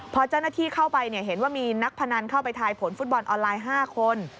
พอเจ้าหน้าที่เข้าไปเห็นว่ามีนักพนันเข้าไปทายผลฟุตบอลออนไลน์๕คน